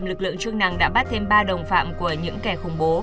lực lượng chức năng đã bắt thêm ba đồng phạm của những kẻ khủng bố